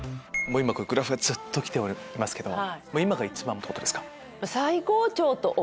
このグラフがずっと来てますけど今が一番ってことですか？